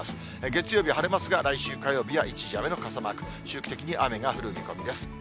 月曜日、晴れますが、来週火曜日は一時雨の傘マーク、周期的に雨が降る見込みです。